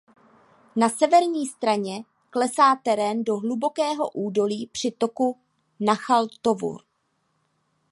Na severní straně klesá terén do hlubokého údolí při toku Nachal Tavor.